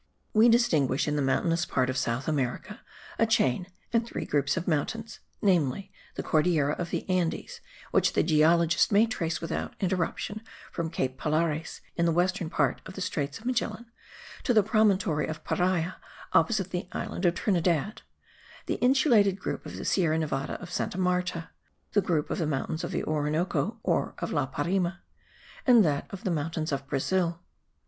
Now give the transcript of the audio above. We distinguish in the mountainous part of South America a chain and three groups of mountains, namely, the Cordillera of the Andes, which the geologist may trace without interruption from Cape Pilares, in the western part of the Straits of Magellan, to the promontory of Paria opposite the island of Trinidad; the insulated group of the Sierra Nevada de Santa Marta; the group of the mountains of the Orinoco, or of La Parime; and that of the mountains of Brazil.